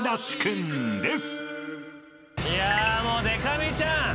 いやでか美ちゃん